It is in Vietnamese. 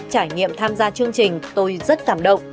trải nghiệm tham gia chương trình tôi rất cảm động